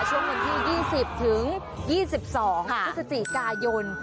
ช่วงวันที่๒๐ถึง๒๒พฤศจิกายน